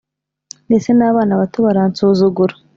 ndetse n’abana bato baransuzugura